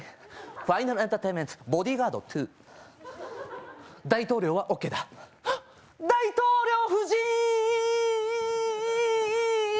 ファイナルエンターテイメンッボディーガード２大統領はＯＫだ大統領ふじん！